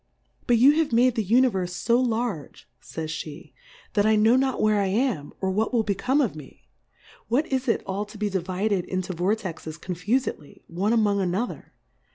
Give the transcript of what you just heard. But you have made the Univerfe fo targe, Jhj'spe^ that I know not where I am, or what will become of me ; what is it all to be divided into Vortexes confufedly, one among another